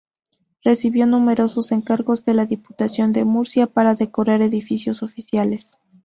Recibió numerosos encargos de la Diputación de Murcia para decorar edificios oficiales.